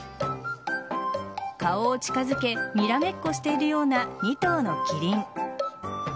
顔を近づけにらめっこしているような２頭のキリン。